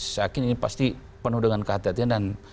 saya yakin ini pasti penuh dengan kehatian dan